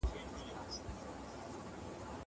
ته ولي ښوونځی خلاصیږې؟